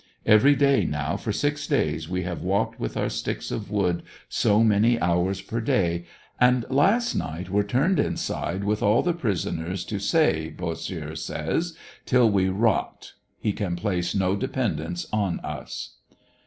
Every day now for six days we have walked with our sticks of wood so many hours per day, and last night were turned inside with all the prisoners to stay, Bossieux says, till we o^ot, he can place no dependence in us.